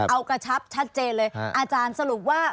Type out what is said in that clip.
เอากระชับชัดเจนเลยอาจารย์สรุปว่า